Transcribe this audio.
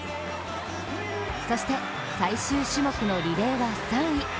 そして、最終種目のリレーは３位。